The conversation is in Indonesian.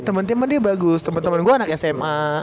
temen temen dia bagus temen temen gue anak sma